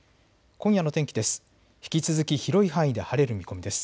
今夜の天気です。